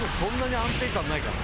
安定感ないかな。